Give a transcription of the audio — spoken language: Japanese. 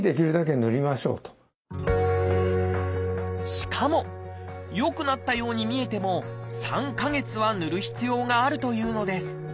しかも良くなったように見えても３か月はぬる必要があるというのです。